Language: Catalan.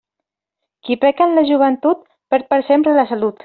Qui peca en la joventut, perd per sempre la salut.